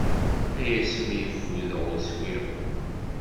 Ay asmi ffudeɣ ur swiɣ.